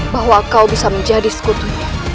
bahwa kau bisa menjadi sekutunya